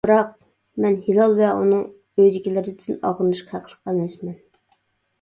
بىراق، مەن ھىلال ۋە ئۇنىڭ ئۆيىدىكىلىرىدىن ئاغرىنىشقا ھەقلىق ئەمەسمەن.